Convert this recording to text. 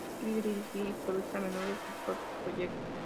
Ella escribe, dirige y produce a menudo sus propios proyectos.